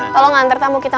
tolong antar tamu kita